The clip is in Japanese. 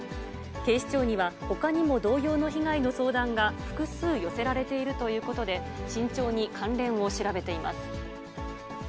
警視庁にはほかにも同様の被害の相談が複数寄せられているということで、慎重に関連を調べています。